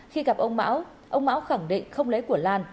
khi gặp ông mão ông mão khẳng định không lấy của lan